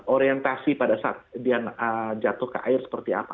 orientasi pada saat dia jatuh ke air seperti apa